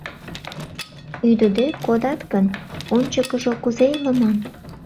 Ӱдыде кодат гын, ончыкыжо кузе илыман?